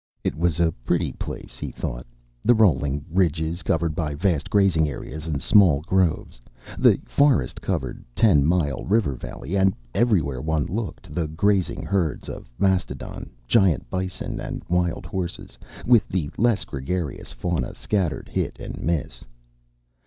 It was a pretty place, he thought the rolling ridges covered by vast grazing areas and small groves, the forest covered, ten mile river valley. And everywhere one looked, the grazing herds of mastodon, giant bison and wild horses, with the less gregarious fauna scattered hit and miss.